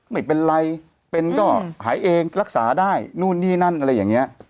ไม่เป็นไรเป็นก็หายเองรักษาได้นู่นนี่นั่นอะไรอย่างนี้